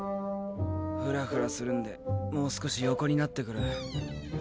フラフラするんでもう少し横になってくる。